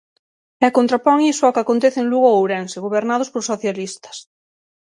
E contrapón iso ao que acontece en Lugo ou Ourense, gobernados por socialistas.